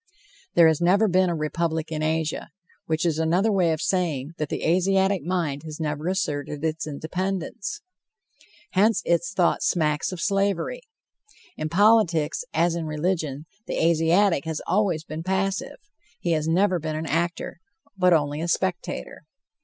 There has never been a republic in Asia, which is another way of saying that the Asiatic mind has never asserted its independence. Hence its thought smacks of slavery. In politics, as in religion, the Asiatic has always been passive. He has never been an actor, but only a spectator.